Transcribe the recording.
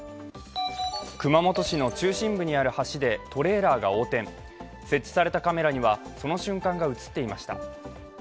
熊本市の中心部にある橋でトレーラーが横転設置されたカメラには、その瞬間が映っていました。